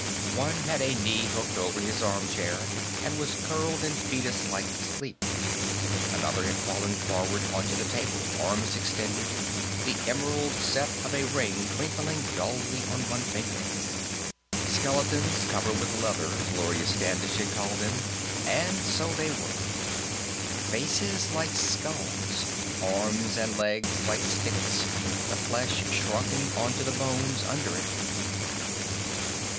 One had a knee hooked over his chair arm and was curled in foetuslike sleep. Another had fallen forward onto the table, arms extended, the emerald set of a ring twinkling dully on one finger. Skeletons covered with leather, Gloria Standish had called them, and so they were faces like skulls, arms and legs like sticks, the flesh shrunken onto the bones under it.